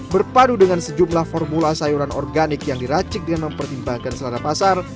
berpadu dengan sejumlah formula sayuran organik yang diracik dengan mempertimbangkan selada pasar